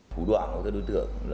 phủ đoạn của các đối tượng